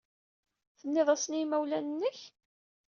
Tennid-asen i yimawlan-nnek?